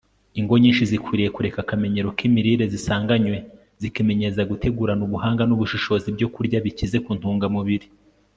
ingo nyinshi zikwiriye kureka akamenyero k'imirire zisanganywe zikimenyereza gutegurana ubuhanga n'ubushishozi ibyokurya bikize ku ntungamubiri